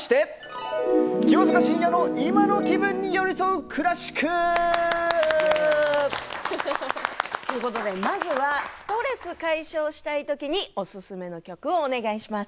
「清塚信也の今の気分に寄り添うクラシック！」ということでまずはストレス解消したいときにおすすめの曲をお願いします。